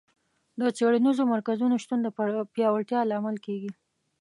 د څېړنیزو مرکزونو شتون د پیاوړتیا لامل کیږي.